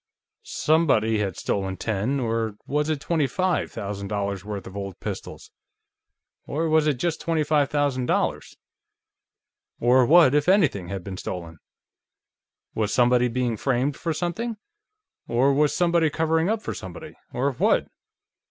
Somebody had stolen ten or was it twenty five thousand dollars' worth of old pistols? Or was it just twenty five thousand dollars? Or what, if anything, had been stolen? Was somebody being framed for something ... or was somebody covering up for somebody ... or what?